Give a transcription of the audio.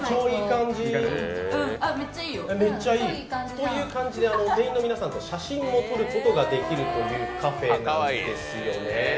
という感じで店員さんと写真も撮ることができるというカフェなんですよね。